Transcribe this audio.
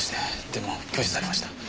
でも拒否されました。